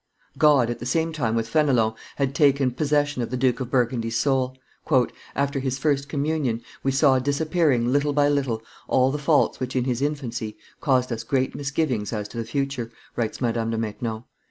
God, at the same time with Fenelon, had taken possession of the Duke of Burgundy's soul. "After his first communion, we saw disappearing little by little all the faults which, in his infancy, caused us great misgivings as to the future," writes Madame de Maintenon.